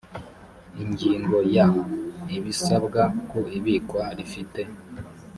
ingingo ya ibisabwa ku ibikwa rifite